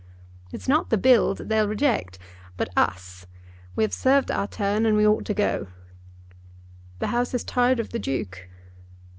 "It's not the Bill that they'll reject, but us. We have served our turn, and we ought to go." "The House is tired of the Duke?"